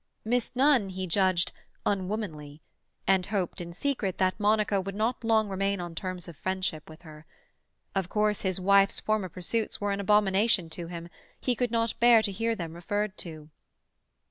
Miss Nunn he judged "unwomanly," and hoped in secret that Monica would not long remain on terms of friendship with her. Of course his wife's former pursuits were an abomination to him; he could not bear to hear them referred to.